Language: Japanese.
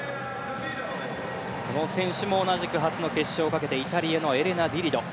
この選手も同じく初の決勝をかけてイタリアのエレナ・ディ・リド。